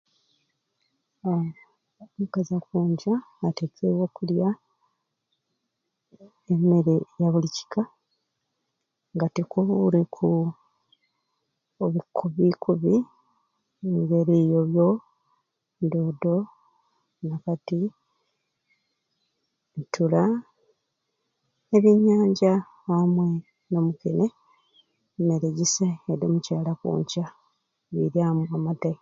Uhhhm omukazi akonca atekebwe okulya emmere yabuli kika nga tekubureku obukubi kubi eyobyo dodo nakati ntula n'ebyenyanya amwei mmere gyisai eddi omukyala akonca biryamu amatyei